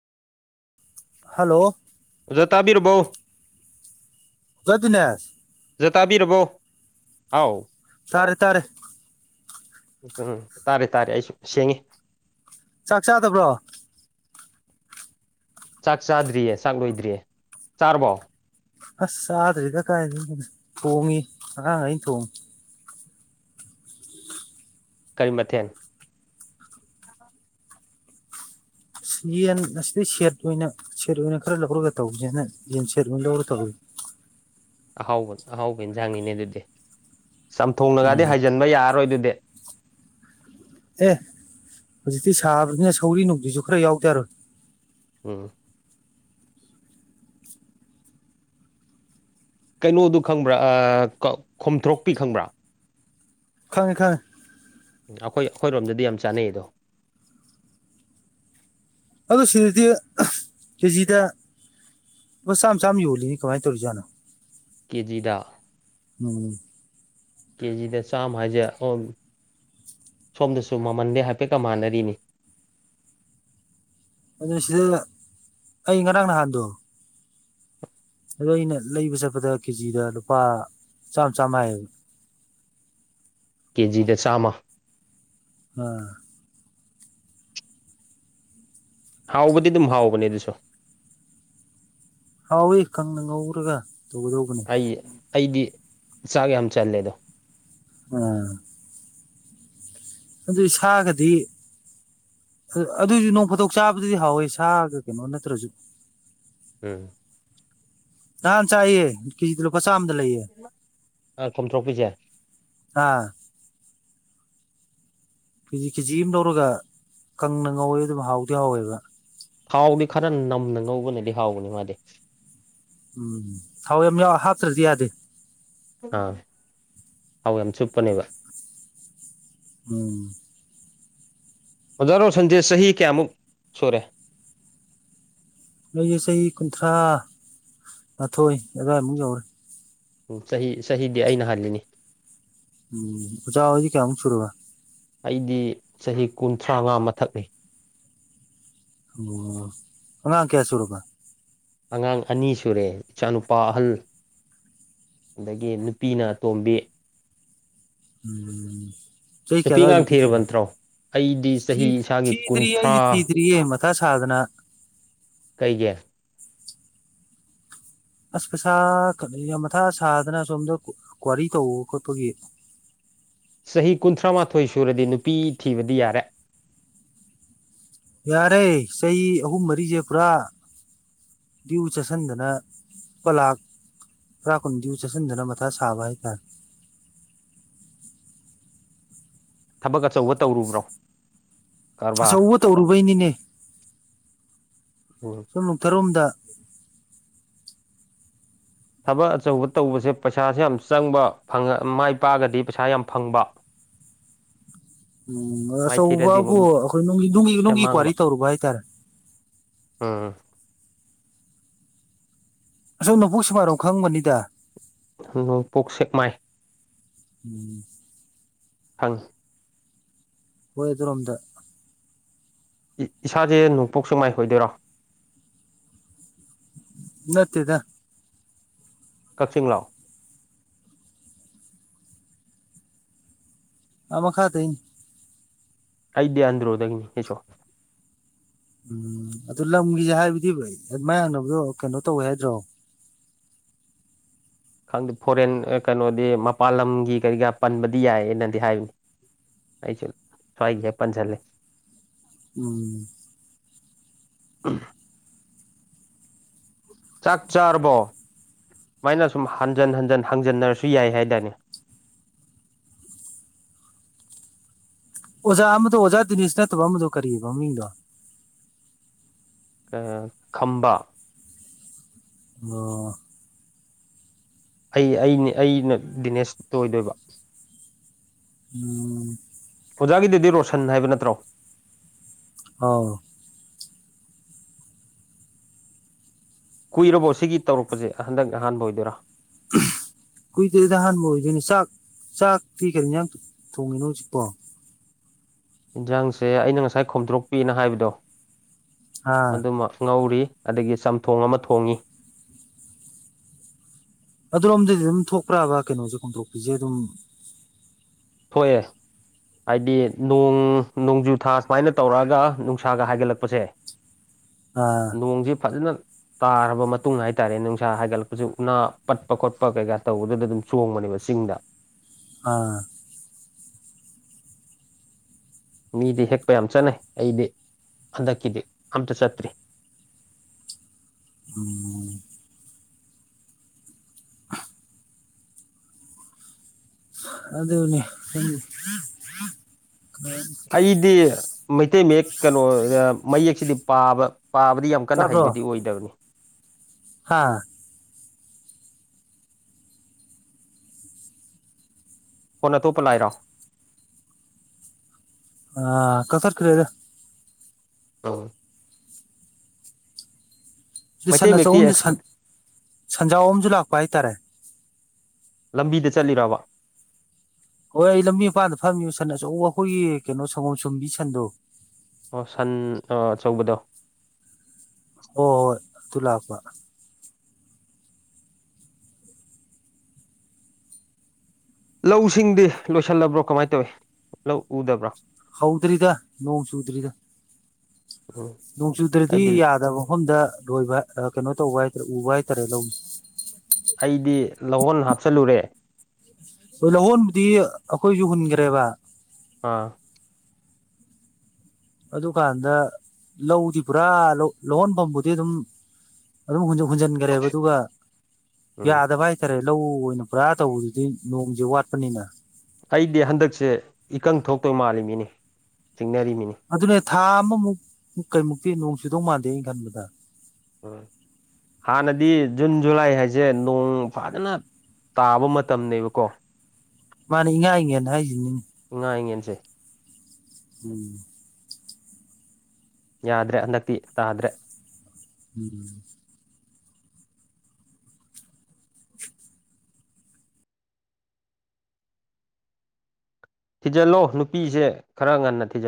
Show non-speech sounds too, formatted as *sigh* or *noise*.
hello ꯖꯇꯥꯕꯤꯔ ꯎ ꯆ ꯑꯗꯨꯅꯦ ꯖ ꯇꯥꯕꯤꯔꯕꯣ ꯑꯥꯎ ꯇꯥꯔꯦ ꯇꯥꯔꯦ ꯎꯝ ꯎꯝ ꯇꯥꯔꯦ ꯇꯥꯔꯦ ꯑꯩꯁꯨ ꯁꯦꯡꯉꯤ ꯆꯥꯛ ꯆꯥꯗꯕ꯭ꯔꯣ ꯆꯥꯛ ꯆꯥꯗ꯭ꯔꯤꯌꯦ ꯆꯥꯛ ꯂꯣꯏꯗ꯭ꯔꯤꯌꯦ ꯆꯥꯔꯕꯣ ꯑꯁ ꯆꯥꯗ꯭ꯔꯤꯒ ꯀꯥꯏꯗ ꯊꯣꯡꯉꯤ ꯑꯉꯥꯡ ꯑꯩꯅ ꯊꯣꯡꯉꯤ ꯀꯔꯤ ꯃꯊꯦꯜ ꯑꯣ ꯁ ꯌꯦꯟ ꯑꯁꯤꯗꯩ ꯁꯦꯠ ꯑꯣꯏꯅ ꯁꯦꯠ ꯑꯣꯏꯅ ꯈꯔ ꯂꯧꯔꯒ ꯇꯧꯁꯦꯅ ꯌꯦꯟ ꯁꯦꯠ ꯑꯣꯏꯅ ꯂꯧꯔ ꯇꯧꯏꯦ ꯑꯍꯥꯎꯕ ꯑꯍꯥꯎꯕꯅ ꯍꯪꯉꯤꯅꯦ ꯑꯗꯨꯗꯤ ꯆꯝꯊꯣꯡꯅꯒꯗꯤ ꯎꯝ ꯍꯖꯤꯟꯕ ꯌꯥꯔꯔꯣꯏ ꯑꯗꯨꯗꯤ ꯑꯦ ꯍꯧꯖꯤꯛꯇꯤ ꯁꯥꯕꯅꯤꯅ ꯁꯧꯔꯤ ꯅꯨꯡꯇꯤꯁꯨ ꯈꯔ ꯌꯥꯎꯗꯔꯣꯏ ꯎꯝ ꯀꯩꯅꯣꯗꯨ ꯈꯪꯕ꯭ꯔꯥ ꯈꯣꯝꯊ꯭ꯔꯣꯛꯄꯤ ꯈꯪꯕ꯭ꯔꯥ ꯈꯪꯉꯦ ꯈꯪꯉꯦ ꯎꯝ ꯑꯩꯈꯣꯏ ꯑꯩꯈꯣꯏꯔꯣꯝꯗꯗꯤ ꯌꯥꯝ ꯆꯥꯅꯩ ꯑꯗꯣ ꯑꯗꯨꯣ ꯁꯤꯗꯗꯤ ꯀꯦꯖꯤꯗ ꯁꯥꯝ ꯆ ꯌꯥꯝ ꯌꯣꯜꯂꯤꯅꯤ ꯀꯃꯥꯏꯅꯧꯔꯤꯖꯥꯠꯣ ꯀꯦꯖꯤꯗ ꯎꯝ ꯀꯦꯖꯤꯗ ꯆꯥꯝꯃ ꯍꯥꯏꯁꯦ ꯑꯣ ꯁꯣꯝꯗꯁꯨ ꯃꯃꯟꯗꯤ ꯍꯥꯏꯐꯦꯠꯀ ꯃꯥꯟꯅꯔꯤꯅꯤ ꯑꯗꯨ ꯁꯤꯗ ꯑꯩ ꯉꯔꯥꯡ ꯅꯍꯥꯟꯗꯣ ꯑꯗꯣ ꯑꯩꯅ ꯂꯩꯕ ꯆꯠꯄꯗ ꯀꯦꯖꯤꯗ ꯂꯨꯄꯥ ꯆꯥꯝꯃ ꯆꯥꯝꯃ ꯍꯥꯏꯌꯦꯕ ꯀꯦꯖꯤꯗ ꯆꯥꯝꯃ ꯎꯝ ꯍꯥꯎꯕꯗꯤ ꯑꯗꯨꯝ ꯍꯥꯎꯕꯅꯦ ꯑꯗꯨꯁꯨ ꯍꯥꯎꯋ ꯈꯪꯅ ꯉꯧꯔꯒ ꯇꯧꯒꯗꯧꯕꯅꯦ ꯑꯩ ꯑꯩꯗꯤ ꯆꯥꯛ ꯌꯥꯝ ꯆꯜꯂꯦ ꯑꯗꯣ ꯎꯝ ꯑꯗꯨ ꯁꯥꯒꯗꯤ ꯑꯗꯨꯏꯁꯨ ꯅꯣꯡ ꯐꯗꯣꯛ ꯆꯥꯕꯗꯨꯗꯤ ꯍꯥꯎꯋꯦ ꯁꯥꯒ ꯀꯩꯅꯣ ꯅꯠꯇ꯭ꯔꯁꯨ ꯎꯝ ꯅꯍꯥꯟ ꯆꯥꯏꯌꯦ ꯀꯦꯖꯤꯗ ꯂꯨꯄꯥ ꯆꯥꯝꯗ ꯂꯩꯌꯦ ꯑꯥ ꯀꯣꯝꯊ꯭ꯔꯣꯛꯄꯤꯁꯦ ꯑꯥ ꯀꯦꯖꯤ ꯀꯦꯖꯤ ꯑꯃ ꯂꯧꯔꯒ ꯀꯪꯅ ꯉꯥꯎꯋꯦ ꯑꯗꯨꯝ ꯍꯥꯎꯗꯤ ꯍꯥꯎꯋꯦꯕ ꯊꯥꯎꯗꯤ ꯈꯔ ꯅꯝꯅ ꯉꯧꯕꯅꯗꯤ ꯍꯥꯎꯕꯅꯤ ꯃꯥꯗꯤ ꯎꯝ ꯊꯥꯎ ꯌꯥꯝ ꯌꯥꯎ ꯍꯥꯞꯇ꯭ꯔꯗꯤ ꯌꯥꯗꯦ ꯑꯥ ꯑꯥꯎ ꯌꯥꯝ ꯆꯨꯞꯄꯅꯦꯕ ꯎꯝ ꯑꯣꯖꯥꯔꯣ ꯁꯟꯗꯦ ꯆꯍꯤ ꯀꯌꯥꯃꯨꯛ ꯁꯨꯔꯦ ꯑꯩꯁ ꯆꯍꯤ ꯀꯨꯟꯊ꯭ꯔꯥ ꯃꯥꯊꯣꯏ ꯑꯗꯨꯋꯥꯏꯃꯨꯛ ꯌꯧꯔꯦ ꯎ ꯆꯍꯤ ꯆꯍꯤꯗꯤ ꯑꯩꯅ ꯍꯜꯂꯤꯅꯤ ꯎꯝ ꯑꯣꯖꯥ ꯍꯧꯖꯤ ꯀꯌꯥꯃꯨꯛ ꯁꯨꯔꯨꯕ ꯑꯩꯗꯤ ꯆꯍꯤ ꯀꯨꯟꯊ꯭ꯔꯥꯃꯉꯥ ꯃꯊꯛ ꯂꯩ ꯑꯣ ꯑꯉꯥꯡ ꯀꯌꯥꯁꯨꯨꯔꯀ ꯑꯉꯥꯡ ꯑꯅꯤ ꯁꯨꯔꯦ ꯏꯆꯥꯅꯨꯄꯥ ꯑꯍꯜ ꯑꯗꯒꯤ ꯅꯨꯄꯤꯅꯇꯣꯝꯕꯤ ꯎꯝ ꯆꯍꯤꯏ ꯅꯨꯄꯤ ꯀꯗꯅ ꯑꯉꯥꯡ ꯄ ꯊ ꯊꯤꯔꯕ ꯅꯠꯇ꯭ꯔꯣ ꯑꯩꯗꯤ ꯊ ꯆꯍꯤ ꯏꯁꯥꯒꯤ ꯀꯨꯟꯊ꯭ꯔꯥ ꯊꯤ ꯇꯔꯤ ꯃꯊ ꯁꯥꯗꯅ ꯀꯩꯒꯤꯦ ꯑꯁ ꯄꯩꯁꯥ ꯀ ꯌꯥꯝ ꯃꯊꯥ ꯁꯥꯗꯅ ꯁꯣꯝꯗ ꯀ꯭ꯋꯥꯔꯤ ꯇꯧꯕ ꯈꯣꯠꯄꯒꯤ ꯆꯍꯤ ꯀꯨꯟꯊ꯭ꯔꯥ ꯃꯥꯊꯣꯏ ꯁꯨꯔꯗꯤ ꯅꯨꯄꯤ ꯊꯤꯕꯗꯤ ꯌꯥꯔꯦ ꯌꯥꯔꯦ ꯆꯍꯤ ꯑꯍꯨꯝ ꯃꯔꯤꯁꯦ ꯄꯨꯔꯥ ꯗ꯭ꯌꯨ ꯆꯥꯁꯤꯟꯗꯅ ꯄꯂꯥꯛ ꯔꯀꯅ ꯎꯆꯥ ꯁꯟꯖꯅꯥ ꯃꯊꯥꯁ ꯁꯥꯕ ꯍꯥꯏ ꯀ ꯊꯕꯛ ꯑꯆꯧꯕ ꯇꯧꯔꯨꯕ꯭ꯔꯣ ꯀꯔꯕꯥꯔ ꯑꯆꯧꯕ ꯇꯧꯔꯨꯕꯩꯅꯤꯅꯦ ꯎꯝ ꯁꯨꯝꯂꯨꯊꯔꯣꯝꯗ ꯊꯕꯛ ꯑꯆꯧꯕ ꯇꯧꯕꯁꯦ ꯄꯩꯁꯥꯁꯦ ꯌꯥꯝ ꯆꯪꯕ ꯃꯥꯏ ꯄꯥꯛꯑꯒꯗꯤ ꯄꯩꯁꯥ ꯌꯥꯝ ꯐꯪꯕ *inaudible* ꯎꯝ ꯃꯥꯏꯊꯤꯔꯗꯤ ꯑꯃꯨꯛ ꯑꯆꯧꯕꯕꯨ ꯑꯩꯈꯣꯏ ꯅꯨꯡꯒꯤ ꯅꯨꯡꯒꯤ ꯌꯥꯝ ꯅꯨꯡꯒꯤ ꯀ꯭ꯋꯥꯔꯤ ꯃꯥꯡꯕ ꯇꯧꯔꯨꯕ ꯍꯥꯏꯇꯥꯔꯦ ꯎꯝ ꯑꯁꯣꯅꯕꯨꯣꯛ ꯁꯨꯃꯥꯏꯔꯣ ꯈꯪꯕꯅꯤꯗ ꯅꯣꯡꯄꯣꯛ ꯁꯦꯛꯃꯥꯏ ꯎꯝ ꯊꯪ ꯍꯣꯏ ꯑꯗꯨꯔꯣꯝꯗ ꯏꯁꯥꯁꯦ ꯅꯣꯡꯄꯣꯛ ꯁꯨꯡꯃꯥꯏꯍꯣꯏꯗꯣꯏꯔꯣ ꯅꯠꯇꯦꯗ ꯀꯛꯆꯤꯡꯡꯂꯥꯎ ꯑ ꯃꯈꯥ ꯇ ꯑꯩꯗꯦ ꯑꯟꯣꯗꯒꯅꯤ ꯌꯦꯁꯣ ꯎꯝ ꯑꯗꯨ ꯂꯝꯒꯤꯁꯦ ꯍꯥꯏꯕꯗꯤ ꯩ ꯃꯌꯥꯡꯅꯕꯗꯣ ꯀꯩꯅꯣ ꯇꯧꯋꯦ ꯍꯥꯏꯗ꯭ꯔꯣ ꯈꯪꯗꯦ ꯐꯣꯔꯦꯟ ꯀꯩꯅꯣꯗꯤ ꯃꯄꯥꯟ ꯂꯝꯒꯤ ꯀꯔꯤꯀꯥ ꯄꯟꯕꯗꯤ ꯌꯥꯏꯌꯦꯅꯗꯤ ꯍꯥꯏꯕꯅꯤ ꯑꯩꯁꯨ ꯁ꯭ꯋꯥꯏꯁꯦ ꯄꯟꯁꯤꯜꯂꯦ ꯎꯝ ꯑ ꯆꯥꯛ ꯆꯥꯔꯕꯣ ꯁꯨꯃꯥꯏꯅ ꯁꯨꯝ ꯍꯟꯖꯟ ꯍꯟꯖꯤꯟ ꯍꯟꯖꯤꯟꯅꯔꯁꯨ ꯌꯥꯏ ꯍꯥꯏꯇꯥꯔꯅꯦ ꯑꯣꯖꯥ ꯑꯃꯗꯣ ꯑꯣꯖꯥ ꯗꯤꯅꯦꯁ ꯅꯠꯇꯕ ꯑꯃꯗꯣ ꯀꯔꯤꯑꯕ ꯃꯤꯡꯗꯣ ꯈꯝꯕꯥ ꯑꯣ ꯑꯩ ꯑꯩꯅꯦ ꯑꯩꯅ ꯗꯤꯅꯦꯁ ꯇꯣꯏꯗꯣꯏꯕ ꯎꯝ ꯑꯣꯖꯥꯒꯤꯗꯨꯗꯤ ꯔꯣꯁꯟ ꯍꯥꯏꯕ ꯅꯠꯇ꯭ꯔꯣ ꯑꯥꯎ ꯀꯨꯏꯔꯕꯣ ꯁꯤꯒꯤ ꯇꯧꯔꯛꯄꯁꯦ ꯍꯟꯗꯛ ꯑꯍꯥꯟꯕ ꯑꯣꯏꯗꯣꯏꯔꯥ ꯀꯨꯏꯗꯣꯏꯗ ꯑꯍꯥꯟꯕ ꯑꯣꯏꯗꯣꯏꯅꯦ ꯆꯥꯛ ꯆꯥꯛꯇꯤ ꯀꯔꯤꯅ ꯊꯣꯡꯉꯤꯅꯣ ꯍꯧꯖꯤꯛꯄꯣ ꯌꯦꯟꯁꯥꯡꯁꯦ ꯑꯩꯅ ꯉꯁꯥꯏ ꯈꯣꯝꯗꯣꯔꯣꯛꯄꯤꯅ ꯍꯥꯏꯕꯗꯣ ꯑꯥ ꯑꯗꯨꯃꯛ ꯉꯧꯔꯤ ꯑꯗꯒꯤ ꯆꯝꯊꯣꯡ ꯑꯃ ꯊꯣꯡꯏꯤ ꯑꯗꯨꯔꯣꯝꯗꯗꯤ ꯑꯗꯨꯝ ꯊꯣꯛꯄ꯭ꯔꯕ ꯀꯩꯅꯣꯁꯦ ꯈꯣꯝꯊꯣꯛꯄꯤꯁꯦ ꯑꯗꯨꯝ ꯊꯣꯛꯑꯦ ꯍꯥꯏꯗꯤ ꯅꯣꯡ ꯅꯣꯡꯖꯨ ꯊꯥ ꯁꯨꯃꯥꯏꯅ ꯇꯧꯔꯛꯑꯒ ꯅꯨꯡꯁꯥꯒ ꯍꯥꯏꯒꯠꯂꯛꯄꯁꯦ ꯑꯥ ꯅꯣꯡꯁꯦ ꯐꯖꯅ ꯇꯥꯔꯕ ꯃꯇꯨꯡ ꯍꯥꯏꯇꯥꯔꯦ ꯅꯨꯡꯁꯥ ꯍꯥꯏꯒꯠꯂꯛꯄꯁꯨ ꯎꯅꯥ ꯄꯠꯄ ꯈꯣꯠꯄ ꯀꯩꯀꯥ ꯇꯧꯕꯗꯨꯗ ꯑꯗꯨꯝ ꯆꯣꯡꯕꯅꯦꯕ ꯆꯤꯡꯗ ꯑꯥ ꯃꯤꯗꯤ ꯍꯦꯛꯄ ꯌꯥꯝ ꯆꯠꯅꯩ ꯑꯩꯗꯤ ꯍꯟꯗꯛꯀꯤꯗꯤ ꯑꯝꯇ ꯆꯠꯇ꯭ꯔꯤ ꯎꯝ ꯑꯗꯨꯗꯅꯦ ꯑꯩꯗꯤ ꯃꯩꯇꯩ ꯃꯌꯦꯛ ꯀꯩꯅꯣ ꯃꯌꯦꯛꯁꯤꯗꯤ ꯄꯥꯕ ꯄꯥꯕꯗꯤ ꯌꯥꯝ ꯌꯥꯝ ꯀꯟꯅ ꯍꯩꯕꯗꯤ ꯑꯣꯏꯗꯕꯅꯤ ꯍꯥꯥ ꯀꯣꯟ ꯑꯇꯣꯄ ꯂꯥꯏꯔꯣ ꯑ ꯀꯁꯔ ꯀꯤꯔꯗ ꯑ ꯁꯤ ꯃꯩꯇꯩ ꯁꯅꯥ ꯃꯌꯦꯛꯇꯤ ꯆꯧꯍꯨꯝꯁꯨ ꯁꯟꯖꯥꯎ ꯑ ꯑꯃꯁꯁꯨ ꯂꯥꯛꯄ ꯍꯥꯏꯇꯥꯔꯦ ꯂꯝꯕꯤꯗ ꯆꯠꯂꯤꯔꯕ ꯍꯣꯏ ꯑꯩ ꯂꯝꯕꯤ ꯃꯄꯥꯟꯗ ꯐꯝꯃꯤꯕ ꯁꯟ ꯑꯆ ꯑꯩꯈꯣꯏꯒꯤ ꯀꯩꯅꯣ ꯁꯪꯒꯣꯝ ꯁꯨꯝꯕꯤ ꯁꯟꯗꯣ ꯑꯣ ꯁꯟ ꯑꯆꯧꯕꯗꯣ ꯑꯣ ꯍꯣꯏ ꯑꯗꯨ ꯂꯥꯛꯄ ꯂꯧꯁꯤꯡꯗꯤ ꯂꯣꯏꯁꯤꯜꯂꯕ꯭ꯔꯣ ꯀꯃꯥꯏꯅ ꯇꯧꯏꯤ ꯂꯧ ꯎꯗꯕ꯭ꯔꯣ ꯍ ꯍꯧꯗ꯭ꯔꯤꯗ ꯅꯣꯡ ꯆꯨꯗ꯭ꯔꯤꯗ ꯎꯝ ꯅꯣꯡꯆꯨꯗ꯭ꯔꯗꯤ ꯑꯩꯗꯤ ꯌꯥꯗꯕ ꯃꯐꯝꯗ ꯂꯣꯏꯕ ꯀꯩꯅꯣ ꯇꯧꯕ ꯍꯥꯏꯇꯥꯔꯦ ꯎꯕ ꯍꯥꯏꯇꯥꯔꯦ ꯂꯧꯅꯤ ꯑꯩꯗꯤ ꯂꯧꯍꯣꯟ ꯍꯥꯞꯆꯜꯂꯨꯔꯦ ꯍꯣꯏ ꯂꯧꯍꯣꯟꯕꯗꯤ ꯑꯩꯈꯣꯏꯁꯨ ꯍꯨꯟꯈ꯭ꯔꯦꯕ ꯑꯥ ꯑꯗꯨꯀꯥꯟꯗ ꯂꯧꯗꯤ ꯄꯨꯔꯥ ꯂꯧꯍꯣꯟꯐꯝꯕꯨꯗꯤ ꯑꯗꯨꯝ ꯑꯗꯨꯝ ꯍꯨꯟꯖꯤꯟꯈ꯭ꯔꯦꯕ ꯑꯗꯨꯒ ꯎꯝ ꯌꯥꯗꯕ ꯍꯥꯏ ꯍꯥꯏꯇꯥꯔꯦ ꯂꯧ ꯑꯣꯏꯅ ꯄꯨꯔꯥ ꯇꯧꯕꯗꯨꯗꯤ ꯅꯣꯡꯁꯦ ꯋꯥꯠꯄꯅꯤꯅ ꯑꯩꯗꯤ ꯍꯟꯗꯛꯁꯦ ꯏꯀꯪ ꯊꯣꯛꯇꯣꯏ ꯃꯥꯜꯂꯤꯃꯤꯅꯤ ꯆꯤꯡꯅꯔꯤꯃꯤꯅꯤ ꯑꯗꯨꯅꯦ ꯊꯥ ꯑꯃꯃꯨꯛ ꯀꯩꯃꯨꯛꯇꯤ ꯅꯣꯡ ꯆꯨꯗꯧ ꯃꯥꯟꯗꯦꯅ ꯈꯟꯕꯗ ꯎꯝ ꯍꯥꯟꯅꯗꯤ ꯖꯨꯟ ꯖꯨꯂꯥꯏ ꯍꯥꯏꯁꯦ ꯅꯣꯡ ꯐꯥꯖꯅ ꯇꯥꯕ ꯃꯇꯝꯅꯦꯕꯀꯣ ꯃꯥꯅꯦ ꯏꯪꯉꯥꯏ ꯏꯉꯦꯅ ꯍꯥꯏꯁꯤꯅꯤꯅꯦ ꯏꯉꯥꯏꯉꯟꯁꯦ ꯎꯝ ꯌꯥꯗ꯭ꯔꯦ ꯍꯟꯗꯛꯇꯤ ꯇꯥꯗ꯭ꯔꯦ ꯎꯝ ꯊꯤꯖꯤꯜꯂꯣ ꯅꯨꯄꯤꯁꯦ ꯈꯔ ꯉꯟꯅ ꯊꯤꯖꯤꯜꯂ